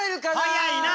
早いな！